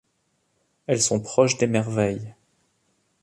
Elles sont proches des merveilles.